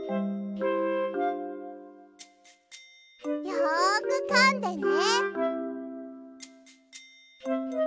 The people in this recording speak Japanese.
よくかんでね。